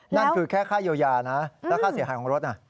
นั่นคือแค่ค่าเยียวยานะแล้วค่าเสียหายของรถน่ะ